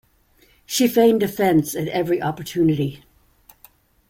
She feigned offense at every opportunity.